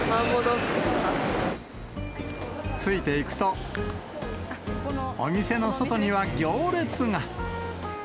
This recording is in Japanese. ついていくと、お店の外には行列が。